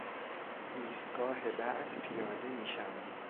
ایستگاه بعد پیاده میشم